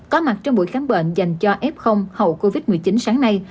có mặt trong buổi khám bệnh dành cho f hậu covid một mươi chín sáng nay